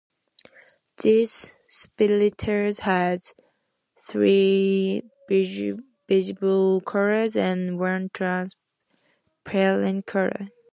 These sprites have three visible colors and one transparent color.